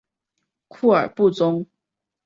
库尔布宗。